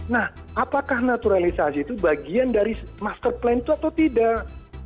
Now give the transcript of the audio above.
nah apakah naturalisasi itu bagian dari master plan itu atau tidak